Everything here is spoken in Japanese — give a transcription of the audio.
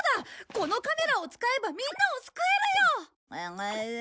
このカメラを使えばみんなを救えるよ！